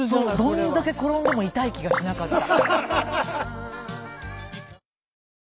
どんだけ転んでも痛い気がしなかった。